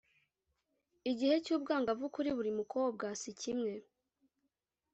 igihe cy’ubwangavu kuri buri mukobwa si kimwe